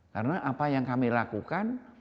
karena apa yang kami lakukan